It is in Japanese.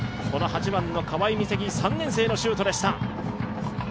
この８番の川井心咲、３年生のシュートでした。